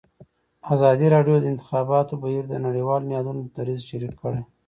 ازادي راډیو د د انتخاباتو بهیر د نړیوالو نهادونو دریځ شریک کړی.